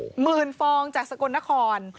หมื่นฟองจากสกลนคร